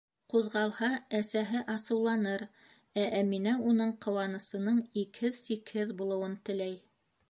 Ҡуҙғалһа, әсәһе асыуланыр, ә Әминә уның ҡыуанысының икһеҙ-сикһеҙ булыуын теләй.